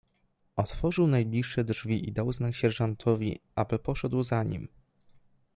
"Otworzył najbliższe drzwi i dał znak sierżantowi, aby poszedł za nim."